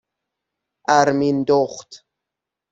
اَرمیندخت